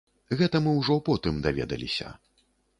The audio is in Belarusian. Гэта мы ўжо потым даведаліся.